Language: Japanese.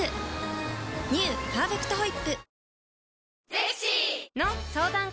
「パーフェクトホイップ」